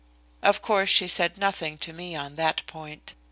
Of course she said nothing to me on that point.